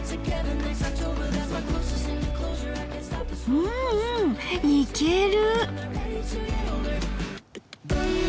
うんうんいける。